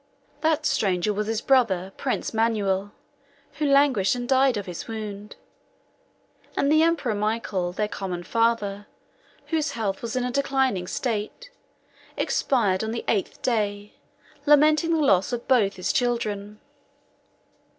That stranger was his brother, Prince Manuel, who languished and died of his wound; and the emperor Michael, their common father, whose health was in a declining state, expired on the eighth day, lamenting the loss of both his children.